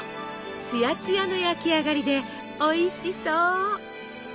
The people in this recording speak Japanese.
つやつやの焼き上がりでおいしそう！